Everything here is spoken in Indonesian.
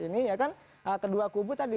ini ya kan kedua kubu tadi